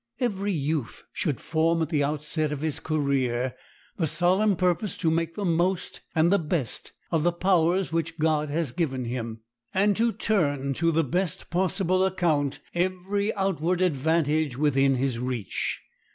Every youth should form at the outset of his career the solemn purpose to make the most and the best of the powers which God has given him, and to turn to the best possible account every outward advantage within his reach.